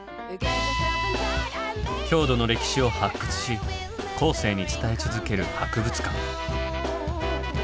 郷土の歴史を発掘し後世に伝え続ける博物館。